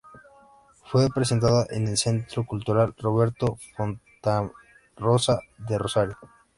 Fue presentada en el Centro Cultural Roberto Fontanarrosa de Rosario.